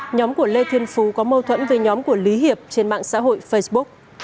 nhóm của lê thiên phú có mâu thuẫn với nhóm của lý hiệp trên mạng xã hội facebook